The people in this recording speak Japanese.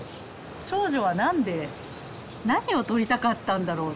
長女は何で何を撮りたかったんだろう。